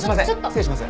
失礼します。